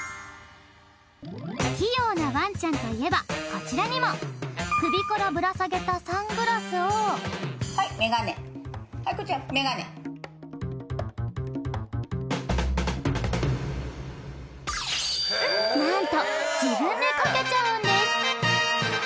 器用なワンちゃんといえばこちらにも首からぶら下げたサングラスを何と自分でかけちゃうんです